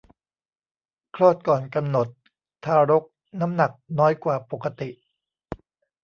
คลอดก่อนกำหนด ทารกน้ำหนักน้อยกว่าปกติ